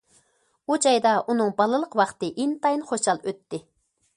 ئۇ جايدا ئۇنىڭ بالىلىق ۋاقتى ئىنتايىن خۇشال ئۆتتى.